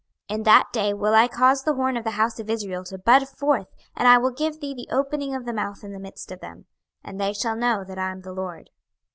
26:029:021 In that day will I cause the horn of the house of Israel to bud forth, and I will give thee the opening of the mouth in the midst of them; and they shall know that I am the LORD.